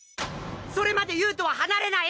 それまでユーとは離れない！